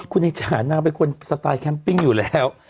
คุณไอ้จ๋านางเป็นคนสไตล์แคมปิ้งอยู่แล้ว